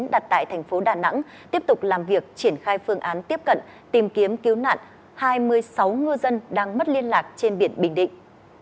đặt tại thành phố đà nẵng tiếp tục làm việc triển khai phương án tiếp cận tìm kiếm cứu nạn hai mươi sáu ngư dân đang mất liên lạc trên biển bình định